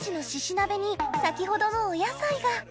鍋に先ほどのお野菜が！